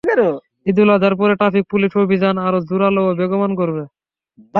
ঈদুল আজহার পরে traffic police অভিযান আরও জোরালো ও বেগবান করবে।